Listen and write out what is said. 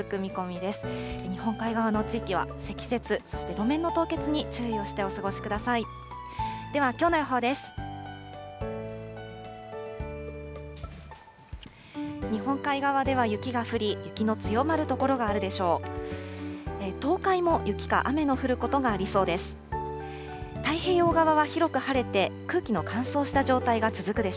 ではきょうの予報です。